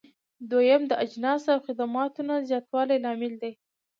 دويم: د اجناسو او خدماتو نه زیاتوالی لامل دی.